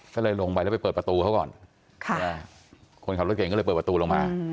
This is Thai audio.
ก็เลยลงไปแล้วไปเปิดประตูเขาก่อนคนขับรถเก่งก็เลยเปิดประตูลงมา